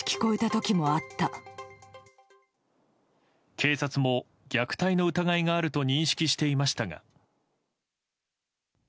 警察も虐待の疑いがあると認識していましたが。